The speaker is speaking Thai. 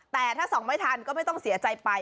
แต่ถ้าส่องไม่ทันก็ไม่ต้องเสียใจไป